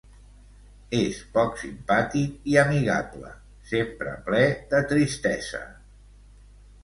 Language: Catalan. És poc simpàtic i amigable, sempre ple de tristesa.